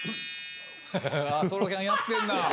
ソロキャンやってんな！